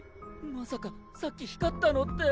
まさかさっき光ったのって。